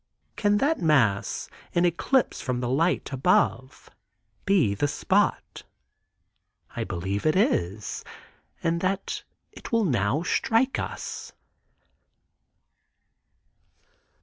Can that mass, in eclipse from the light above, be the spot? I believe it is, and that it will now strike us.